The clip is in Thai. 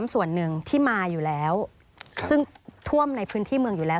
ส่วนหนึ่งที่มาอยู่แล้วซึ่งท่วมในพื้นที่เมืองอยู่แล้ว